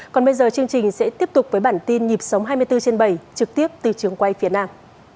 còn bây giờ chương trình sẽ tiếp tục với bản tin nhịp sống hai mươi bốn trên bảy trực tiếp từ trường quay phía nam